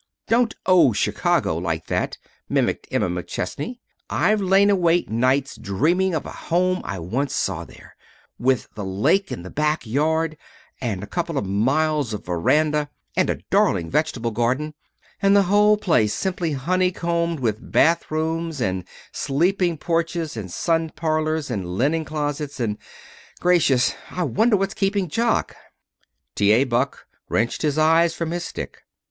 "Don't 'Oh, Chicago!' like that," mimicked Emma McChesney. "I've lain awake nights dreaming of a home I once saw there, with the lake in the back yard, and a couple of miles of veranda, and a darling vegetable garden, and the whole place simply honeycombed with bathrooms, and sleeping porches, and sun parlors, and linen closets, and gracious, I wonder what's keeping Jock!" T. A. Buck wrenched his eyes from his stick.